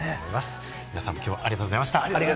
皆さんもきょうはありがとうございました。